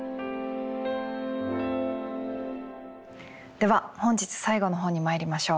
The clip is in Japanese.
では本日最後の本にまいりましょう。